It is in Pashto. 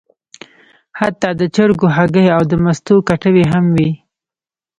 حتی د چرګو هګۍ او د مستو کټوۍ هم وې.